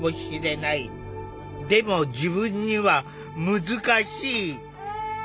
でも自分には難しい。